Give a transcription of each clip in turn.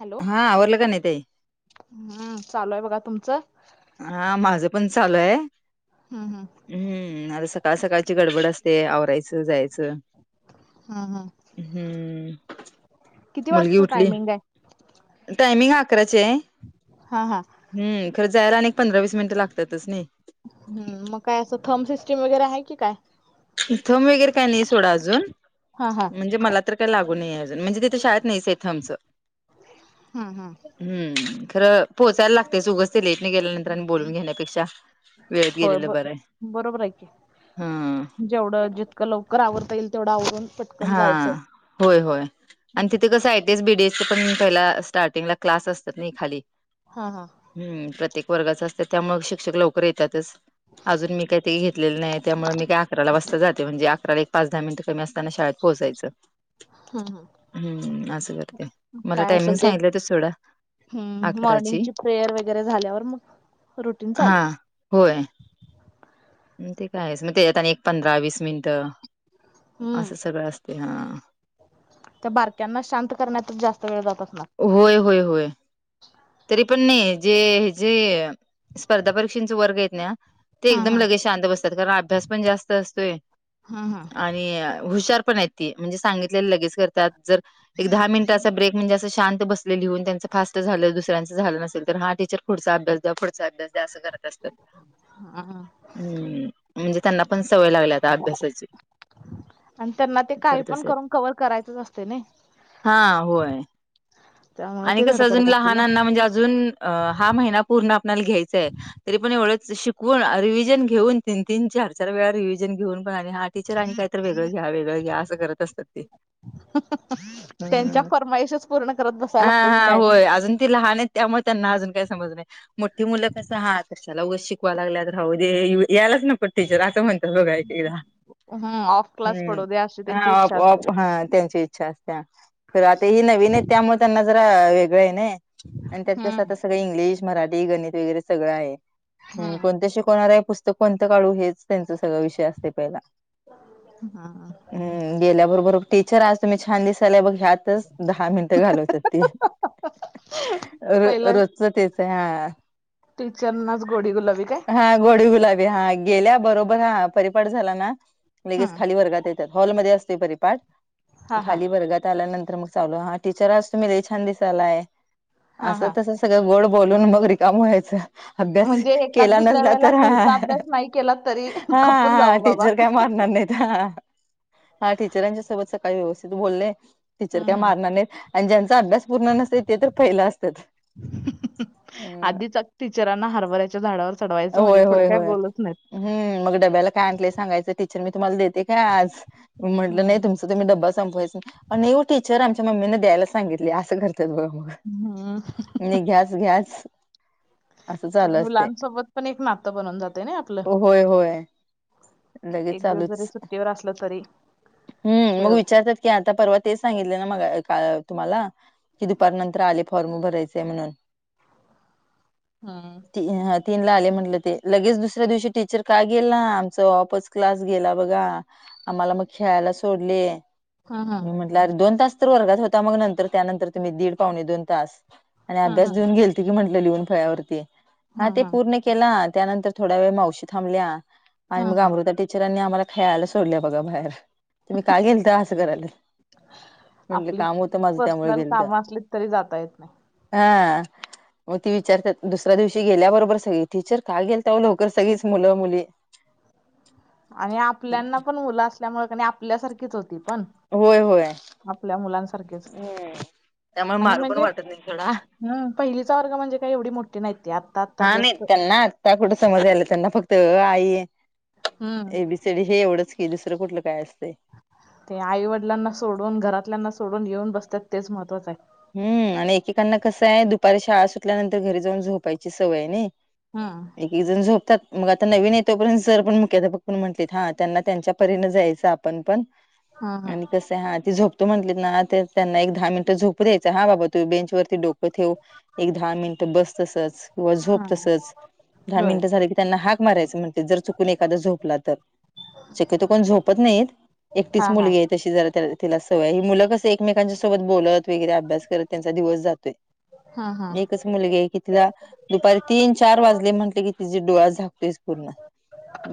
Hello हा आववरलं का नाही ते हम्म चालू आहे बघा तुमचं हा माझं पण चालू आहे हा हा हम्म आता सकाळ सकाळची गडबड असते आवरायचं जायचं हा हा हम्म मुलगी वाजचं उठली टायमिंग आहे टायमिंग अकराचे आहे हा हा हम् खरं जायला अनेक पंधरा वीस मिनिट लागतातच नाही हम् मग काय असं थंब सिस्टीम वगैरे आहे की काय इथंम वगैरे काय नाही सोडा अजून हा हा म्हणजे मला तर काही लागूये अजून म्हणजेिथे शळेत नाहीच इथं आमचं हम् हम् हम् खरं पोचायला लागते च उगस ते लेटने गेल्या नंतर आणि बोलून घेण्यापेक्षा वेळेत गेलेलं बरं आहे हा जेवढ जितकं लवकर आवरता येईल तेवढं आवरून प हा होय होय आणि तिथे कसं आहे तेच बीडी पण पहिला स्टार्टिंग ला क्लास असतात नाही खाली हा हा हम्म प्रत्येक वर्गाच असतं त्यामु शिक्षक लवकर येतातच अजून मी काही ते घेतलेले नाही त्यामुळे मी काही अकराला वाजता जाते म्हणजे अकराला एक पाच दहा मिनट कमी असते ना शाळेत पोहोचायचं हम्म हम्म हम्म असं करते मला काय टायमिंग असेल सांगितलं ते सोडा हम्म अकराची मॉर्निंगची प्रेयर वगैरे झाल्यावर मग रुटीन हा चालू होय ते कायच मग तेत आणि एक पंधरा वीस मिनिट हम्म असं सगळं असते हा त्या बारक्यांना शांत करण्यातच जास्त वेळ जात असणार होय होय होय तरी पण नाही जे ह जे स्पर्धा परीक्षेचा वर्ग आहेत ना ते हम्म एकदम लगेच शांत बसतात कारण अभ्यास पण जास्त असतोय हम्म हम्म आणि आणि हुशार पण आहेत ती म्हणजे सांगितले लगेच करतात जर एक दहा मिनिटाचा ब्रेक म्हणजे शांत बसले लिहून त्यांचं फास्ट झालं दुसऱ्यांचं झालं नसेल तर हा टीचर पुढचा अभ्यास द्या पुढचा अभ्यास द्या असं करत असतं हम्म हम्म हम् म्हणजे त्यांना पण सवय लागली आता अभ्यासाची आणि त्यांना ते काही करत पण असेल करून कवर्ह करायचच असते ना हा होय त्यामुळे आणि ते कसं अजून धडपडत असतील ओ लहानांना म्हणजे अजून हा महिना पूर्ण आपल्याला घ्यायचाय तरी पण एवढंच शिकवून रिव्हिजन घेऊन तीन तीन चार चार वेळा रिव्हिजन घेऊन पण आणि ह टीचर आणि काही तर वेगळं घ्या वेगळं घ्या असं करत असतात ते त्यांच्या हम्म. फरमाईशच पूर्ण कर हा हा होय अजून ती लहान आहेत त्यामुळे त्यांना अजून काही समज नाही मोठी मुलं कं हा कशाला उगस शिकवा लागल्यात तर राहऊ दे यायलाच ना पण टीचर असं म्हणतात बघायचीला हम्म ऑफ क्लास हम्म पडू द्या अशी त्यांची हाप इच्छा आप असते हा त्यांची इच्छा असते त्या तर आता ही नवीन आहे त्यामुळे त्यांना जरा वेगळं आहे नाही आणि त्यात हम्म कसं आता सगळं इंग्लिश मराठी गणित वगैरे सगळं आहे हम् हम्म कोणतं शिकवणार आहे पुस्तक कोणतं काढू हेच त्यांच सगळ विषय असतय पहिला हम्म हम् गेल्याबरोबर टीचर आज तुम्ही छान दिसायलाय बघ ह्यातच दहा मिनट घालत - त्यात ती पहिलं रोजच तेच आहे हा टीचरनाच गोडी गुलाबी काय हा गोडी गुलाबी हा गेल्या बरोबर हा परिपाट झाला ना लगेच हम्म खाली वर्गात हॉल मधे असतय परिपाठ हा हा खाली वर्गात आल्यानंतर मग चालू हा टीचर आज तुम्ही लई छान दिसालाय हा असं हा तस सगळं गोड बोलून मग रिकम व्हायचं अभ्यास म्हणजे एकाच केला दुसऱ्या नसला वेळेला तर हा घरचा अभ्यास नाही केला तरी हा खपून हा हा जावं बाबा टीचर काय मारणार नाहीत हा टीचरांच्या सोबत सकाळी व्यवस्थित बोललय टीचर हम्म काय हम्म मारणार नाहीत आणि ज्यांचा अभ्यास पूर्ण नसतय ते तर पहिला असत्यात आधीच टीचरांना हरभऱ्याच्या झाडावर चढवायचं म्हणजे पुढं काय बोलच नाहीत हम मग डब्याला काय आणलं सांगायचं टीचर मी तुम्हाला देते काय आज म म्हटलं नाही हम्म तुमच तुम्ही डबा संपवायचा आणि नाही ओ टीचर अमच्या मम्मीन द्यायला सांगितल्या अस करतात बघा मग हम्म [unintelligible] य घ्याच असं तर चालू असते मुलांसोबत पण एक नातं बनून जात होय होय लगेच एक दिवस चालूच जरी सुट्टीवर असलं तरी हम्म हे मग होते विचारत्यात की आता परवा तेच सांगितले ना मग का तुम्हाला कि दुपार नंतर आले फॉर्म भरायचाय म्हणून हम्म [unintelligible] तीन ला आले म्हंटलं ते लगेच दुसऱ्या दिवशी टीचर का गेला आमचा ऑफच क्लास गेला बघा आम्हाला मग खेळायला सोडले हम्म मी म्हटलं अर दोन तास तर वर्गात होता मग नंतर त्यानंतर तुम्ही दीड पावणे दोन तास आणि हम्म अभ्यास हम्म देऊन गेल ते की म्हटलं लिहून फळ्यावरती हा ते हम्म पूर्ण केला त्यानंतर थोड्या वेळ मावशी थांबल्या आणि हा मग हा. अमृता टी टिचरांनी आम्हाला खेळायला सोडल्या बघा बाहेर तुम्ही का गेलता असं कराल्यात म्हटलं आपली काम होत माझं त्यामुळ पर्सनल गेलत कामं असलीत तरी जाता येत नाही. हा मग ती विचारत्यात दुसऱ्या दिवशी गेल्याबरोबर बर सगळ टीचर का गेलता ओ लवकर सगळीच मुलं मुली आणि आपल्याना पण मुलं असल्यामुळ कणी आपल्यासारखीच होती पण होय होय आपल्या मुलांसारखीच हम्म त्यामुळे आणि मारू पण म्हणजे वाटत नाही थोडा हम पहिलीचा वर्ग म्हणजे काही एवढी मोठी नाहीत ती आत - हा नाही त्यांना आता कुठं समज याल्या त्यांना फक्त अ आ इ हम्म A B C D C D हे एवढंच की दुसरं कुठलं काय असतय ते आईवडिलांना सोडून घरातल्यांना सोडून येऊन बसत्यात तेच महत्वाचं आहे हम् आणि एकेकांना कसं आहे दुपारी शाळा सुटल्यानंतर घरी जाऊन झोपायची सवय आहे नाई हम एक एक जण झोपत्यात मग आता नवीन येतोपर्यंत जर पण मुख्याध्यापक पण म्हटलेत हा त्यांना त्यांच्या परीन जायचं आपण पण हा हा. आणि कसय हा ती झोपतो म्हटलीत ना त्यांना एक दहा मिनट झोपू - पू द्यायच हा बाबा तू बँच वरती डोक - ठेव एक दहा मिनिट बस तसच किंवा झोप हा तसच दहा होय मिनिटं झाली की - त्यांना हाक माराचं म्ह- ते जर चुकून एखादा झोपला तर शक्यतो कोण झोपत नाहीत एकटीच हा हा. मुलगी आहे तशी जरा तिला सवय ही मुलं क अस एकमेकांच्या सोबत बोलत वगैरे अभ्यास करत त्यांचा दिवस जातोय हा हा. एकच मुलगी आहे की तिला? दुपारी तीन चार, वाजले म्हटले की तिची डोळा झाकतोयच पूर्ण.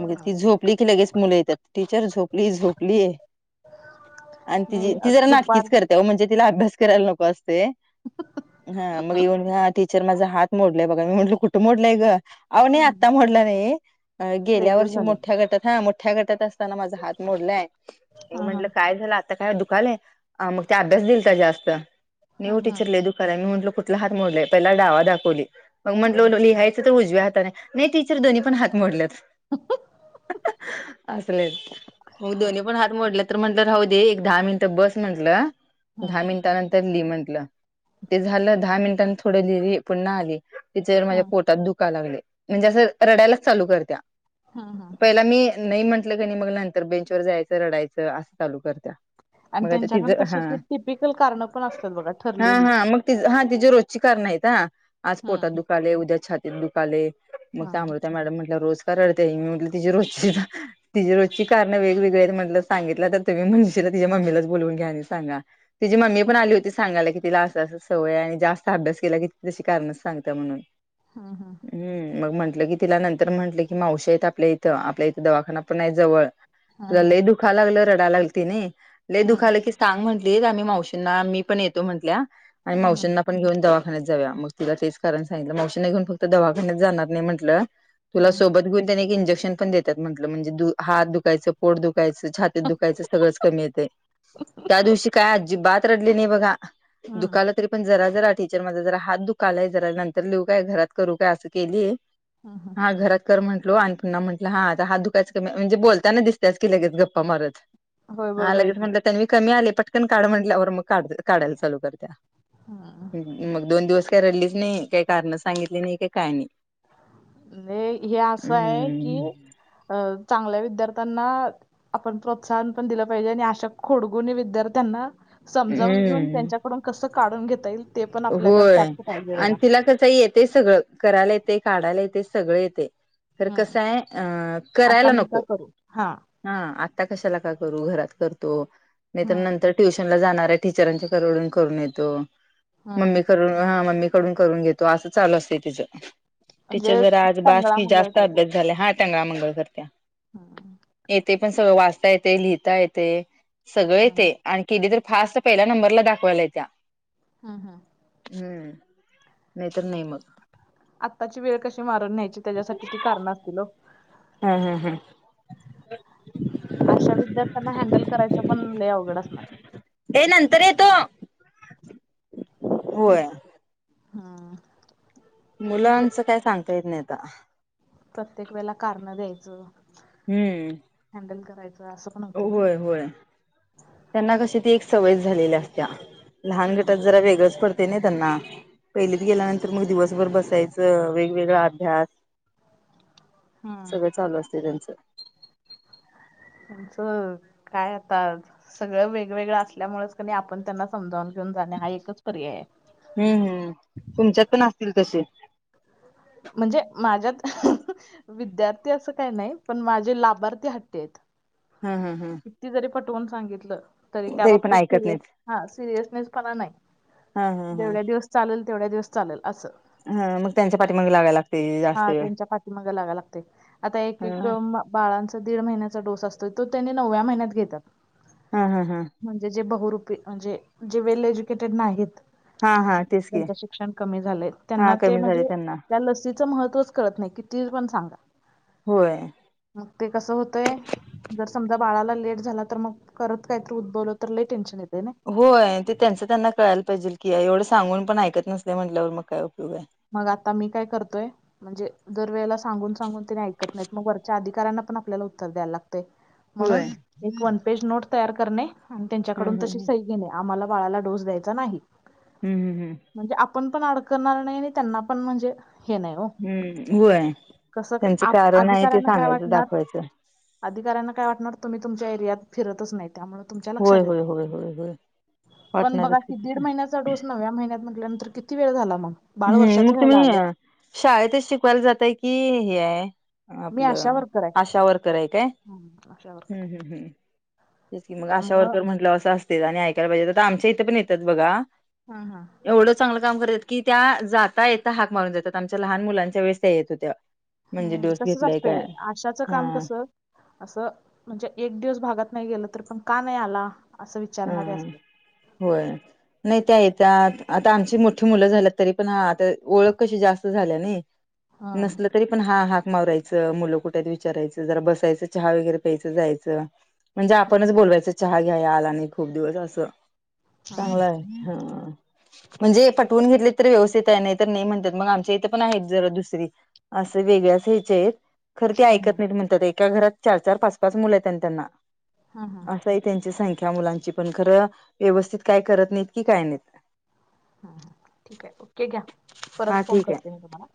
मग ती झोपली की लगेच मुलं येतात टीचर झोपली झोपली. आणि ती नाही अ, ती जरा दुपार नाटकीच कर हा म्हणजे तिला अभ्यास करायला नको असतय हा मग येऊन टीचर माझ हात मोडलंय बघा मी म्हटलं कुठं मोडलंय ग? आवो नाही हम्म. आता मोडला नाही गेल्या लेडीज वर्षी झाले. मोठ्या गटात हा मोठ्या गटात अस तान माझ हात मोडलाय म्हटलं मी हा हा म्हणलं काय झालं? आता काय दुखालय मग त्या अभ्यास दिलता जास्त नई हा ओ हा टीचर लई खरं हाय. मी म्हटल कुठला हात मोडलाय पहिला डावा दाखवली मग हा म्हटलो लिहाय तीत उजव्या हाताने नाही टीचर दोन्ही पण हात मोडल्यात. अहं अहं. असलेच. मग दोन्ही पण हात मोडल्या तर म्हटलं राऊदे एक दहा मिनिटं बस म्हंटलं. हा दहा मिनिटानंतर लि म्हंटलं ते झालं. दहा मिनिटान थोडं लिहिली पुन्हा आली. टीचर हा माझ्या पोटात दुखा लागलय म्हणजे असं रडायलाच चालू करत्या. हम्म हम्म. पहिला मी नाही म्हटलं कणी नाही मग नंतर बेंचवर जायचं रडायचं असं चालू करत्या. आणि मग आता तिज त्यांच्याकडे तसे हा ते टिपिकल कारणं पण असतात बघा हा ठरलेली. हा. मग ति हा तिची रोजची कारण हायत हं. आज पोटात हं, दुखालय, उद्या छातीत दुखालय. मग त्या हां, अमृता मॅडम म्हटल्या रोज का रडत्या ही मी म्हटलं तिचे रोजची तिजी रोजची कारण वेगवेगळी आहेत म्हटलं सांगितलं तर तुम्ही म्हणशीला तिच्या मम्मीला बोलून घ्या आणि सांगा. तिची मम्मी पण आली होती सांगायला. तिला असं असं सवय हाय आणि जास्त अभ्यास केला की तशी कारण सांगत्या म्हणून. [unintelligible] हा हा. हम्म. मग म्हटलं की तिला नंतर म्हटलं की मावशी हायत आपल्या इथं आपल्या इथं दवाखाना पण आहे जवळ हं, तुला हं, लय दुखा लागलं रडा लागली ती ने. लई हं, हं, दुखालं की सांग म्हटलीत आम्ही मावशींना मी पण येतो म्हटल्या आणि हं, मावशींना पण आपण घेऊन दवाखान्यात जावूया मग तिला तेच कारण सांगितलं. मावशीने घेऊन फक्त दवाखान्यात जाणार नाही म्हंटलं तुला हं, सोबत घेऊन त्याने एक इंजेक्शन पण देतात म्हटलं म्हणजे द हात दुखायचं पोट दुखायचं, छातीत दुखायचं सगळंच कमी येतय. त्या दिवशी काय बात रडली नाही बघा. हं, दुखाल तरी पण जरा जरा टीचर माझा जरा हात दुखालाय जरा नंतर लिहू काय? घरात करू काय? असं केली. हं, हं, हा घरात कर म्हटलो आणि पुन्हा म्हटलं हात दुखायचं कमी म्हणजे बोलताना दिसत्याच की लगेच गप्पा मारत होय हा बरोबर आहे लगेच की. म्हटलं तन्वी कमी आलय पटकन काढ म्हटलंवर मग काढ काढायला चालू करत्या. हम्म. मग दोन दिवस काय रडलीच नाही काही कारण सांगितली नाही का काय नाही. लई हे असं आहे की हम्म अ चांगल्या विद्यार्थ्यांना आपण प्रोत्साहन पण दिलं पाहिजे आणि अशा खोडगुणी विद्यार्थ्यांना समजावून घेऊन हम्म त्यांच्याकडून कसं काढून घेता येईल. ते पण आपल्याकडे होय टॅक्ट पाहिजे आणि बघा. तिला कसं येतय सगळं करायला येतय, काढायला येतय सगळं येतय. खरं कस हं, हाय अं आता करायला मी नको. का करू? हा. आता कशाला का करू घरात करतो, नाही तर हं, नंतर ट्युशन ला जाणाऱ्या टीचरांच्या करवडून करून येतो. हं. मम्मीकडून हा मम्मीकडून करून घेतो असं चालू असतय तिज. टीचर म्हणजे जरा आज बास टंगळा की मंगळ जास्त अभ्यास झालाय हा टांगळा मंगळ करत्या. हा. येतय पण सगळं वाचता येतय, लिहिता येतय, सगळं हं, येतय. आणि किली तर फास्ट पहिल्या नंबरला दाखवायला येत्या. हा हा. हम्म नाही तर नाही मग. आत्ताची वेळ कशी मारून घ्यायची त्याच्यासाठी ती कारणं असतील हो. हम्म हम्म हम्म. अशा विद्यार्थ्यांना हँडल करायचं पण लय अवघड असणार. [unintelligible] होय. हा. मुलांच काय सांगता येत नाही आता. प्रत्येक वेळेला कारणं द्यायचं. हम्म. हँडल करायचं असं. पण होतंय नाही. होय होय. त्यांना कशी ती एक सवय झालेली असत्या लहान गटात हम्म. जरा वेगळंच प नाही त्यांना पहिलीत गेल्यानंतर मग दिवसभर बसायचं वेगवेगळा अभ्यास हम्म सगळं चालू असतय त्यांचं. त्यांचं काय आता आज. सगळं वेगवेगळं असल्यामुळेच क आपण त्यांना समजावून घेऊन जाणे हा एकच पर्याय ये. हम्म हम्म तुमच्यात पण असतील तशे. म्हणजे माझ्यात [unintelligible] विद्यार्थी असं काय नाही पण माझे लाभार्थी हट्टी आहेत. हम्म हम्म हम्म. किती जरी पटवून सांगितलं तरी त्या पण बाबतीत ऐकत सिरि नाहीत हा सिरियसनेस पणा हा हा नाही हा जेवढ्या दिवस चालेल तेवढ्या दिवस चालेल असं. ह मग त्यांच्या पाठी मागे लागयला लागत हा त्यांच्या पाठी मागे लागव लागते आता एक हा एक म बाळांचा दीड महिन्याचा डोस असतोय तो त्यांनी नवव्या महिन्यात घेतात हा हा हा. म्हणजे जे बहुरुपी म्हणजे जे वेल एज्युकेटेड नाहीत हा हा तेच की ज्यांच शिक्षण कमी झाले हा त्यांना ते कमी झाले म्हणजे त्यांना त्या लसीचं महत्त्वच करत नाही किती पण सांगा. होय. मग ते कसं होतय. जर समजा बाळाला लेट झाला तर मग करत काहीतरी उद्भवलं तर ल टेन्शन येते ना. होय ते त्यांचं त्यांना कळायला पाहिजे की एवढं सांगून पण ऐकत नसते म्हटल्यावर मग काय उयोग आहे. मग आता मी काय करतोय म्हणजे दर वेळेला सा सांगून सांगून तेने ऐकत नाहीत मग वरच्या अधिकाऱ्यांना पण आपल्याला उत्तर द्यायला लागत म्हणून होय एक वन पेज नोट तयार करणे आणि त्यांच्याकडून हम्म तशी हम्म सही घेणे आम्हाला बाळाला डोस द्यायचा नाही हम्म हम्म हम्म. म्हणजे आपण पण अडकणार नाही आणि त्यांना पण म्हणजे हे नाही हो हम्म होय कस त्यांचं अ कारण आहे ते अधिकाऱ्यांना काय सांगायचं वाटणार दाखवायचं अधिकाऱ्यांना काय वाटणार तुम्ही तुमच्या एरियात फिरतच नाहीत. त्यामुळे तुमच्या होय लक्षात येत होय नाही होय होय होय पण बघा वाटणारच कि की दीड तस महिन्याच डोस नव्या महिन्या म्हटल्यानंतर किती वेळ झाला मग. बाळ हम्म मग वर्षाचं तुम्ही व्हायला आलं शाळेतच शिकवायला जातय की हे आहे. मी आशा आपलं वर्कर आशा वर्कर हाय काय आहे आशा वर्कर हम्म आहे हम्म हम्म. ज की मग अशा त्यामुळं वर्कर म्हटलं असं असत आणि ऐकायला पाहिजे आता आमच्या इथे पण येतात बघा. हा हा. एवढं चांगलं काम करतात की त्या जाता येेतता हाक मारून जातात आमच्या लहान मुलांच्या वेळेस त्या येत होत्या. म्हणजे हम्म डोस तसच घेतलाय असतंय काय आशाचं काम हा कसं असं म्हणजे एक दिवस भागात नाही गेलं तररी पण का नाही आला असं विचारणारे हम् असतात होय. नाही त्या येतात. आता आमची मोठी मुलं झाल्यात. तरी पण हा आता ओळख कशी जास्त झाल्या नाही. हा नसल तरी. पण हा हाक मारायचं, मुलं कुठ आहेत विचारायचं, जरा बसायचं, चहा वगैरे प्यायचं जायचं. म्हणजे आपणच हम्म बोलवायच चहा घ्यायला आला नाही खूप दिवस असं. हम्म हा हा. चांगलं आहे हा म्हणजे ठीक आहे पटवून घेतले. तर व्यवस्थित आहे. नाही तर नाही म्हणतात. मग आमच्या इथे पण आहेत जरा दुसरी असे वेगळ्याच ह्याच्या आहेत. खर ते हा हा ऐकत नाहीत. म्हणतात एका घरात चार चार पाच पाच मुलं आहेत म्हण त्यांना हा हा असं एक त्यांची संख्या मुलांची पण, खरं व्यवस्थित काय करत नाहीत की काय नाहीत. ह ह ठीक आहे. ओके, घ्या हा परत फोन ठीक आहे करते मी तुम्हाला.